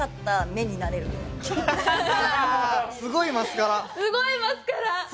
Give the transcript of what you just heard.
すごいマスカラ！